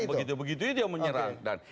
begitu begitu itu yang menyerang